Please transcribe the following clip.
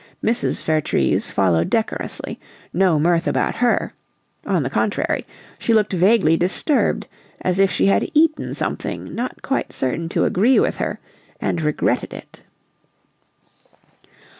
Mrs. Vertrees followed decorously, no mirth about her; on the contrary, she looked vaguely disturbed, as if she had eaten something not quite certain to agree with her, and regretted it.